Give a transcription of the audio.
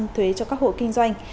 thuế cho các hộ kinh doanh